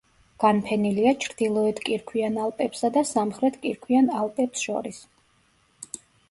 განფენილია ჩრდილოეთ კირქვიან ალპებსა და სამხრეთ კირქვიან ალპებს შორის.